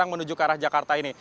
yang menuju ke arah jakarta ini